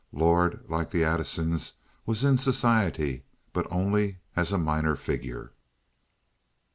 Lord, like the Addisons, was in society, but only as a minor figure.